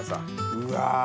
うわ！